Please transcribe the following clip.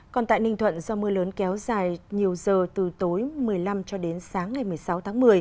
còn tại ninh thuận do mưa lớn kéo dài nhiều giờ từ tối một mươi năm cho đến sáng ngày một mươi sáu tháng một mươi